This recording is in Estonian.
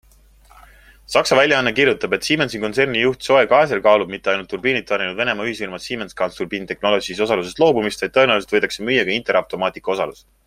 Saksa väljaanne kirjutab, et Siemensi kontserni juht Joe Kaeser kaalub mitte ainult turbiinid tarninud Venemaa ühisfirma Siemens Gas Turbines Technologies osalusest loobumist, vaid tõenäoliselt võidakse müüa ka Interavtomatika osalus.